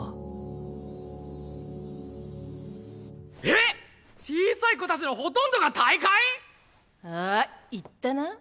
えっ小さい子たちのほとんどが退会⁉ああ言ったな？